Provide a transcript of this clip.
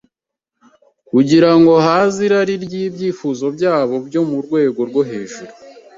kugira ngo ahaze irari ry’ibyifuzo byabo byo mu rwego rwo hejuru.